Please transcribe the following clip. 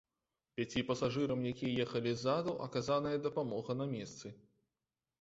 Пяці пасажырам, якія ехалі ззаду, аказаная дапамога на месцы.